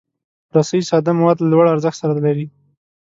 رسۍ ساده مواد له لوړ ارزښت سره لري.